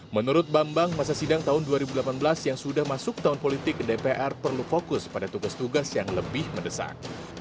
menurut bambang masa sidang tahun dua ribu delapan belas yang sudah masuk tahun politik dpr perlu fokus pada tugas tugas yang lebih mendesak